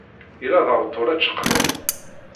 Yella d awtul ačeqlal.